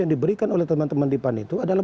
yang diberikan oleh teman teman di pan itu adalah